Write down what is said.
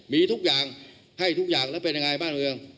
มีทุกอย่างให้ทุกอย่างแล้วเป็นยังไงบ้านเมือง